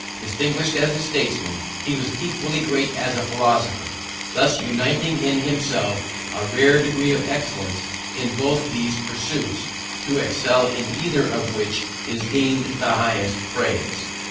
Distinguished as a statesman, he was equally great as a philosopher, thus uniting in himself a rare degree of excellence in both these pursuits, to excel in either of which is deemed the highest praise."